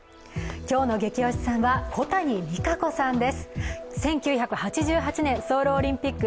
今日のゲキ推しさんは小谷実可子さんです。